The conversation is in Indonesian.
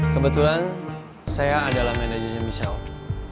kebetulan saya adalah manajernya micheld